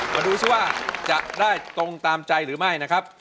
มาดูซิว่าจะได้ตรงตามใจหรือไม่นะครับ